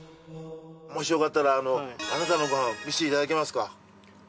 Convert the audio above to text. もしよかったらあなたのご飯見せていただけますか？